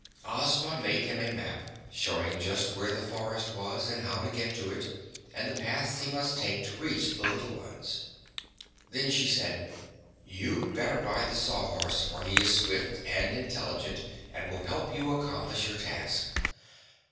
Ozma made him a map, showing just where the forest was and how to get to it and the paths he must take to reach the little ones. Then she said: "You'd better ride the Sawhorse, for he is swift and intelligent and will help you accomplish your task."